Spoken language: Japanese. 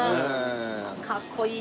かっこいいなあ。